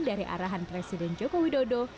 dari arahan presiden joko widodo